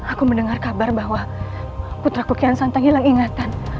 aku mendengar kabar bahwa putraku kian santang hilang ingatan